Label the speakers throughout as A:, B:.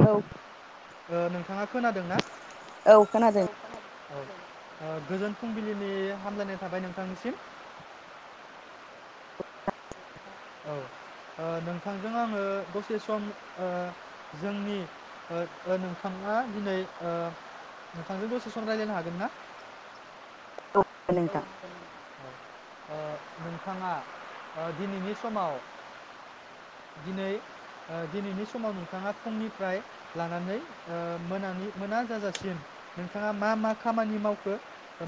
A: औ
B: नोंथाङा खोनादों ना?
A: औ खोनादों
B: औ ओ गोजोन फुंबिलिनि हामलायनाय थाबाय नोंथांनिसिम। औ ओ नोंथांजों आङो दसे सम ओ जोंनि ओ नोंथाङा दिनै ओ नोंथांजों दसे सम रायलायनो हागोन ना? औ
A: नोंथां
B: [inaudible] ओ ओ नोंथाङा ओ दिनैनि समाव दिनै ओ दिनैनि समाव नोंथाङा फुंनिफ्राय लानानै ओ मोनानि मोना जाजासिम नोंथाङा मा मा खामानि मावखो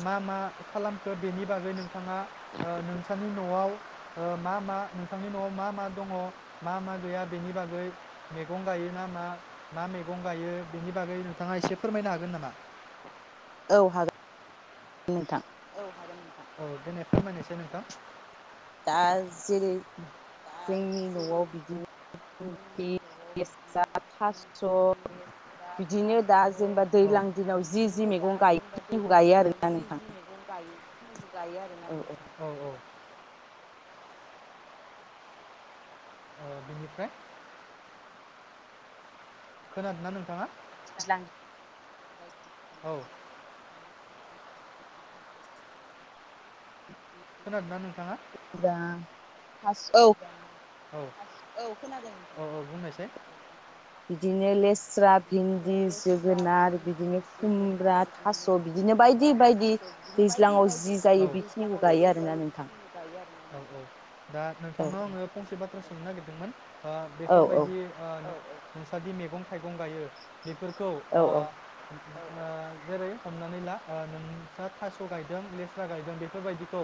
B: मा मा खालामखो बेनि बागै नों थाङा ओ नोंथांनि न'आव ओ मा मा नोंथांनि न'आव मा मा दङ मा मा गैया बेनि बागै मैगं गायो ना मा मा मैगं गायो बेनि बागै नोंथाङा एसे फोरमायनो हागोन नामा?
A: औ हागोन नोंथां
B: औ देनाय फोरमायनायसाय नोंथां
A: दा जेरै-
B: दा
A: जोंनि न'आव
B: जेरै
A: बिदिनो [unintelligible] थास'
B: लेस्रा
A: बिदिनो दा
B: थास'
A: जेनेबा दैज्लां दिनाव जि जि मैगं गायो
B: औ
A: खिनिखौ गायो आरोना नोंथां
B: औ औ ओ बेनिफ्राय खोनादों ना नोंथाङा?
A: दैज्लां
B: औ
A: [inaudible] [inaudible]
B: खोनादों ना नोंथाङा?
A: फास औ
B: औ औ औ बुंनायसाय
A: बिदिनो लेस स्रा
B: बिदिनो
A: भिन्दि
B: लेस्रा
A: जोगोनार
B: भिन्दि
A: बिदिनो खुमब्रा
B: जोगोनार
A: थास' बिदिनो बायदि
B: खुमब्रा
A: बायदि
B: थास' बिदिनो बायदि
A: दैज्लाङाव
B: बायदि
A: जि जायो बेखिनिखौ
B: दैज्लाङाव
A: गायो
B: जि
A: आरोना
B: जायो
A: नोंथां
B: बेखिनि गायो आरो औ औ दा
A: औ
B: नोंथांनाव आङो फंसे बाथ्रा सोंनो नागिर दोंमोन ओ
A: औ
B: बेफोरबायदि ओ नोंस्रादि मैगं थाइ बुंगायो बेफोरखौ
A: औ
B: ओ ओ जेरै- हमनानै ला नोंसोर थास' गायदों लेस्रा गायदों बेफोरबायदिखौ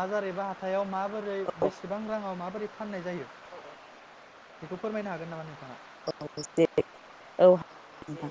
B: बाजार एबा हाथायाव मा बोरै बेसेबां रांआव मा माबोरै फाननाय जायो? बेखौ फोरमायनो हागोन नामा नोंथाङा।
A: [unintelligible] औ। नोंथां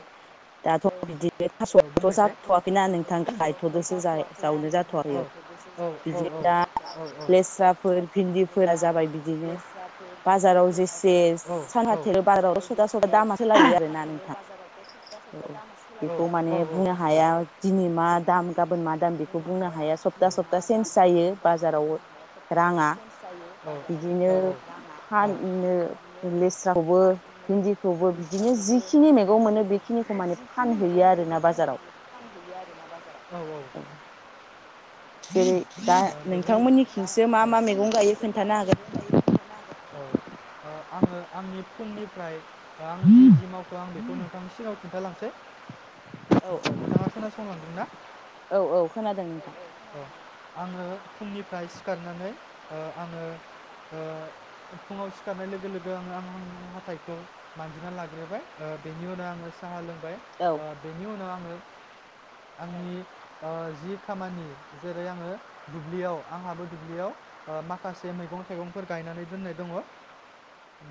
A: दाथ'
B: जे
A: बिदिनो
B: औ
A: थास'थ'
B: बुंनायसाय थ'
A: जाथ'वाखैना
B: बिदिनो
A: नोंथां
B: फस'वाखै
A: गायथ'दसो
B: जाथ'वाखैना
A: जावनो
B: नोंथां
A: जाथ'वाखैयाव
B: गायखेरबोसो
A: बिदिनो
B: जाथ'वाखै
A: दा
B: जाथ'वाखै
A: लेस्राफोर
B: बिदिनो
A: भिन्दिफोरा
B: दा
A: जाबाय बिदिनो
B: लेस्राफोर
A: बाजाराव
B: भिन्दिफोरा
A: जेसे
B: जाबाय
A: साहा
B: बिदिनो बाजाराव
A: बाराव
B: जेसे
A: [unintelligible] दामा सोलायो आरोना
B: साफाखौनो
A: नोंथां?
B: बाजारावथ' सप्ता
A: औ
B: सप्ता दामा सोलायो
A: बेखौ माने बुंनो
B: आरोना
A: हाया दिनै मा दाम
B: बेखौ
A: गाबोन मा
B: माने
A: दाम बेखौ बुंनो हाया सप्ता
B: मा
A: सप्ता
B: दाम
A: सेन्स
B: जादों
A: जायो
B: मा जादों बेखौ
A: बाजाराव
B: बुंनो हाया सप्ता सप्ता
A: राङा
B: चेन्ज जायो
A: बिदिनो
B: बाजाराव राङा
A: फाननो
B: बिदिनो
A: लेस बो भिन्दिखौबो बिदिनो जिखिनि मैगं मोनो बेखिनिखौ माने फानहैयो आरोना बाजाराव
B: औ औ
A: जेरै दा नोंथांमोननि
B: दा
A: खिसो मा मा मैगं गायो
B: नोंथांमोननिथिंसो
A: खोन्थानो हागोन
B: औ आङो आंनि फुंनिफ्राय दा आं जि जि माव आं बेखौ नोंथांनि सिगाङाव खिन्थालांसै
A: औ औ
B: नोंथाङा खोनासंलांदों ना
A: औ औ खोनादों
B: औ
A: नोंथां।
B: आङो फुंनिफ्राय सिखारनानै ओ आङो ओ फुङाव सिखारनाय लोगो लोगो आङो आं हाथायखौ मानजिना लाग्रोबाय ओ बेनि उनाव आङो साहा लों बाय
A: औ
B: बेनि उनाव ओ आंनि ओ जि खामानि जेरै आङो दुब्लियाव आंहाबो दुब्लियाव ओ माखासे मैगं थाइगंफोर गायनानै दोननाय दङ'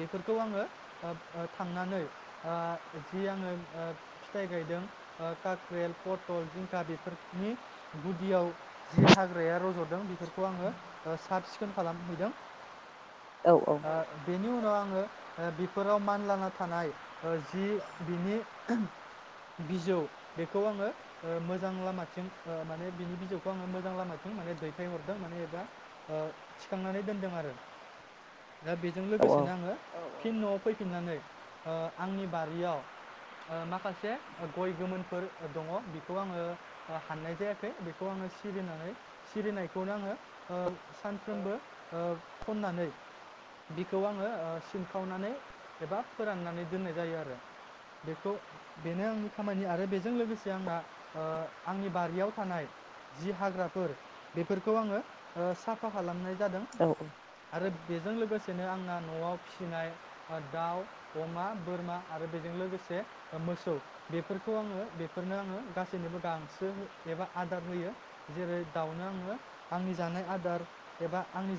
B: बेफोरखौ आङो ओ ओ थांनानै ओ जि आङो फिथाइ गायदों ओ कक्रेल, पथल, जिंखा, बेफोरनि गुदियाव जि हाग्राया रज'दों बेफोरखौ आङो साब सिखोन खालामहैदों।
A: औ औ
B: ओ बेनि उ आव आङो बेफोराव मानलाना थानाय ओ जि बिनि बिजौ बेखौ आङो ओ मोजां लामाथिं ओ माने बिनि बिजौ खौ आङो मोजां लामथिं माने ओ दैथायहरदों माने एबा थिखांनानै दोनदों आरो। दा बेजों
A: औ
B: लोगोसेनो आङो फिन न'आव फैफिननानै ओ आंनि बारियाव ओ माखासे गय गोमोनफोर दङ' बेखौ आङो ओ हाननाय जायाखै बिखौ आङो सिरिनानै सिरिनायखौनो आङो सानफ्रोमबो खननानै बिखौ आङो सिनखावनानै एबा फोराननानै दोननाय जायो आरो बेखौ बेनो आंनि खामानि आरो बेजों लोगोसे आंना आंनि बारियाव थानाय जि हाग्राफोर बेफोरखौ आङो साफा खालामनाय जादों
A: औ
B: आरो बेजों लोगोसेनो आंना न'आव फिसिनाय दाउ, अमा, बोरमा आरो बेजों लोगोसे मोसौ बेफोरखौ आङो बेफोरनो आङो गासैनिबो गांसो एबा होयो जेरै दावनो आङो आंनि जानाय आदार एबा आंनि